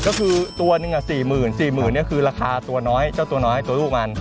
ก็คือตัวหนึ่งอ่ะสี่หมื่นสี่หมื่นเนี่ยคือราคาตัวน้อยเจ้าตัวน้อยตัวลูกมัน